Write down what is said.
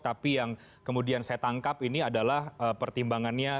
tapi yang kemudian saya tangkap ini adalah pertimbangannya